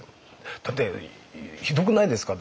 だってひどくないですか。